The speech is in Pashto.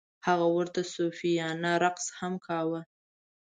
هغه ورته صوفیانه رقص هم کاوه.